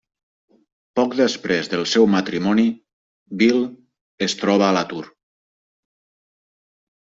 Poc després del seu matrimoni, Bill es troba a l'atur.